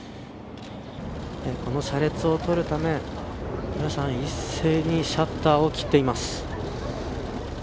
あの車列を撮るため皆さん、一斉にシャッターを切っています。